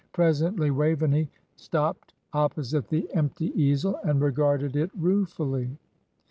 Presently Waveney stopped opposite the empty easel, and regarded it ruefully.